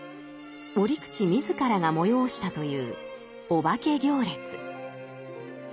折口自らが催したというお化け行列。